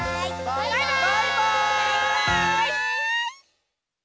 「バイバーイ！」